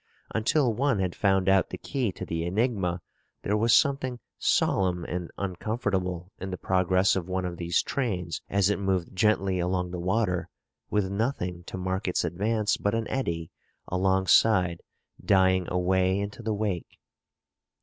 Until one had found out the key to the enigma, there was something solemn and uncomfortable in the progress of one of these trains, as it moved gently along the water with nothing to mark its advance but an eddy alongside dying away into the wake.